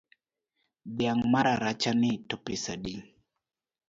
Dhiang’ mararachani to pesadi?